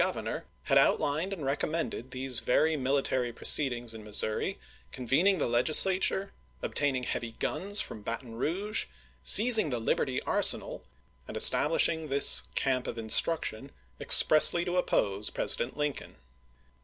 ^' Governor, had outlined and recommended these apliSIsgi. very military proceedings m Missouri, conveniug "General the Legislature, obtaining heavy guns from Baton Lyon," Rouge, seizing the Liberty arsenal, and establish ing this camp of instruction, expressly to oppose President Lincoln.